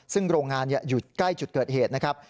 ซึ่งโรงงานอยู่ใกล้จุดเกิดเหตุนะครับ